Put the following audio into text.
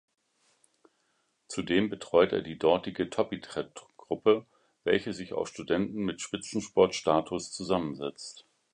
Zudem betreut er die dortige "Toppidrett"-Gruppe, welche sich aus Studenten mit Spitzensport-Status zusammensetzt.